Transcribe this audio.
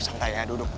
santai ya duduk